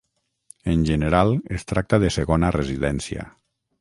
En general es tracta de segona residència.